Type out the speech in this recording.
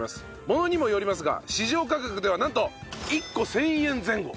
ものにもよりますが市場価格ではなんと１個１０００円前後。